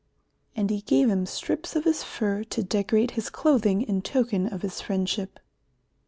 And he gave him strips of his fur to decorate his clothing in token of his friendship.